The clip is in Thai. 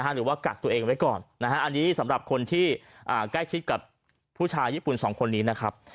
หรือว่ากักตัวเองไว้ก่อนนะฮะอันนี้สำหรับคนที่ใกล้ชิดกับผู้ชายญี่ปุ่นสองคนนี้นะครับ